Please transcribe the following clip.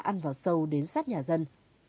ăn vào sâu đến sát nhà dân